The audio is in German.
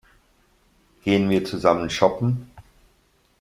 Gehen wir zusammen shoppen?